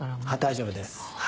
大丈夫です。